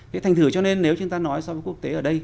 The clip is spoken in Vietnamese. cái thành thử cho nên nếu chúng ta nói so với quốc tế ở đây